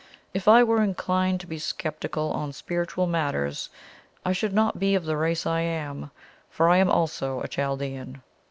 If I were inclined to be sceptical on spiritual matters, I should not be of the race I am; for I am also a Chaldean."